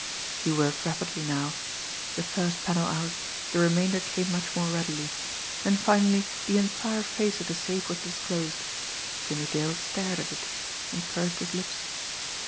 He worked rapidly now. The first panel out, the remainder came much more readily and finally the entire face of the safe was disclosed. Jimmie Dale stared at it and pursed his lips.